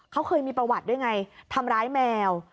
เขาเคยมีประวัติด้วยไงทำร้ายแมว